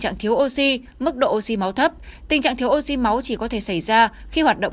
trạng thiếu oxy mức độ xi máu thấp tình trạng thiếu oxy máu chỉ có thể xảy ra khi hoạt động